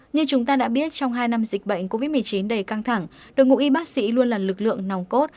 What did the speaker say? như chúng ta đã biết trong hai năm dịch bệnh covid một mươi chín đầy căng thẳng đội ngũ y bác sĩ luôn là lực lượng nòng cốt